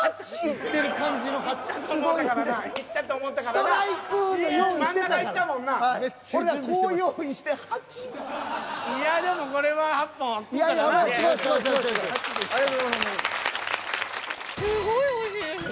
すごいおいしいです。